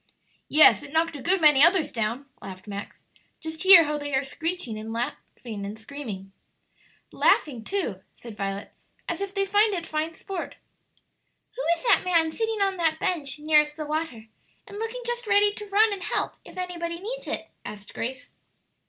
"Yes; it knocked a good many others down," laughed Max; "just hear how they are screeching and screaming." "But laughing, too," said Violet, "as if they find it fine sport." "Who is that man sitting on that bench nearest the water, and looking just ready to run and help if anybody needs it?" asked Grace.